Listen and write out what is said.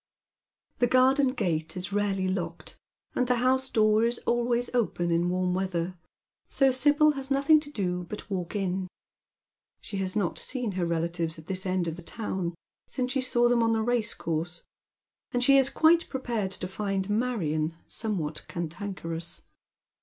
The garden gate is rarely locked, and the house door is always open in warm weather, so Sibyl has nothing to do but walk in. Slie has not seen her relatives at this end of the town since she saw them on the racecourse, and she is quite prepared to find Marion somewhat cantankerous.